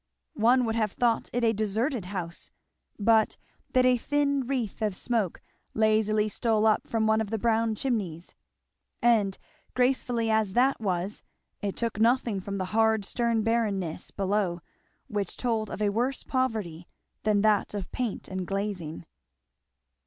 One would have thought it a deserted house, but that a thin wreath of smoke lazily stole up from one of the brown chimneys; and graceful as that was it took nothing from the hard stern barrenness below which told of a worse poverty than that of paint and glazing.